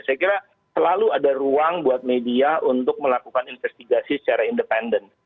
saya kira selalu ada ruang buat media untuk melakukan investigasi secara independen